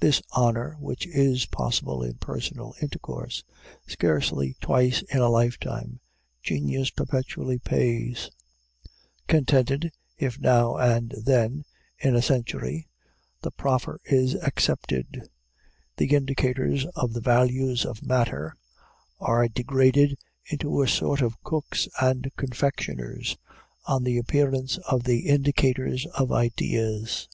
This honor, which is possible in personal intercourse scarcely twice in a lifetime, genius perpetually pays; contented, if now and then, in a century, the proffer is accepted. The indicators of the values of matter are degraded to a sort of cooks and confectioners, on the appearance of the indicators of ideas.